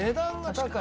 高い！